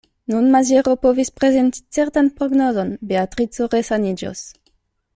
Nun Maziero povis prezenti certan prognozon: Beatrico resaniĝos.